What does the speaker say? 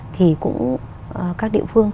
thì cũng các địa phương